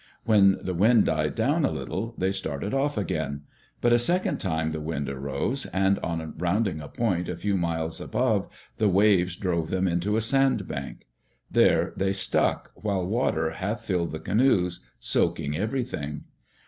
When the wind died down a little they started off again. But a second time the wind arose, and on rounding a point a few miles above, the waves drove them into a sand bank. There they stuck, while water half filled the canoes, soaking everything.